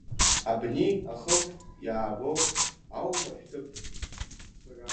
Абни ахыб иаабо аума шәҭыԥ?